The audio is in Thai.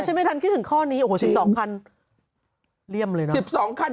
เออฉันไม่ทันคิดถึงข้อนี้โอ้โห๑๒๐๐๐บาทเรี่ยมเลยนะ